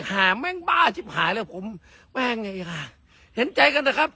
หาแม่งบ้าชิบหายแล้วผมแม่ไงค่ะเห็นใจกันนะครับ